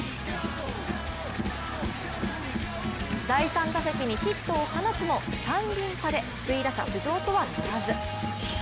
第３打席にヒットを放つも３厘差で首位打者浮上とはならず。